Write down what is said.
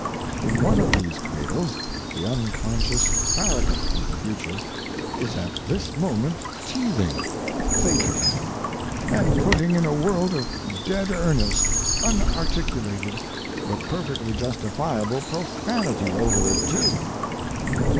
In one of these cradles the unconscious Farragut of the future is at this moment teething—think of it! and putting in a world of dead earnest, unarticulated, but perfectly justifiable profanity over it, too.